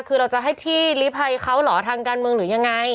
คือเราจะให้ที่ลิภัยเขาเหรอทางการเมืองหรือยังไง